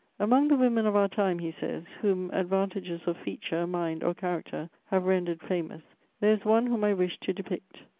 "Among the women of our time," he says, "whom advantages of feature, mind, or character have rendered famous, there is one whom I wish to depict.